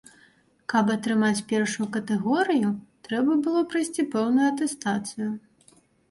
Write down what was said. Каб атрымаць першую катэгорыю, трэба было прайсці пэўную атэстацыю.